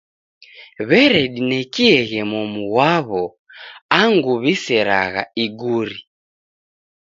W'eredinekieghe momu ghwaw'o angu w'iseragha iguri.